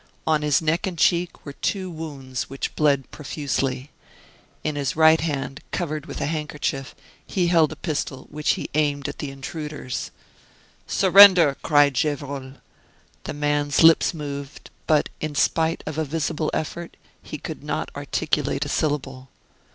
On his neck and cheek were two wounds which bled profusely. In his right hand, covered with a handkerchief, he held a pistol, which he aimed at the intruders. "Surrender!" cried Gevrol. The man's lips moved, but in spite of a visible effort he could not articulate a syllable.